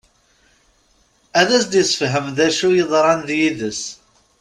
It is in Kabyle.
Ad as-d-isefhem d acu yeḍran d yid-s.